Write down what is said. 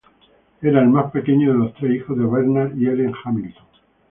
Era el más pequeño de los tres hijos de Bernard y Ellen Hamilton.